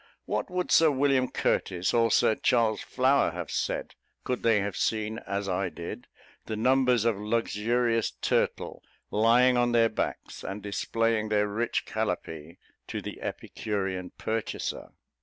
What would Sir William Curtis, or Sir Charles Flower have said, could they have seen, as I did, the numbers of luxurious turtle lying on their backs, and displaying their rich calapee to the epicurean purchaser?